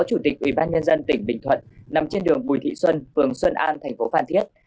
ubnd tỉnh bình thuận nằm trên đường bùi thị xuân phường xuân an thành phố phan thiết